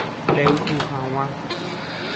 Rey'u hag̃ua.